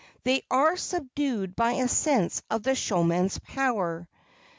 They are subdued by a sense of the showman's power.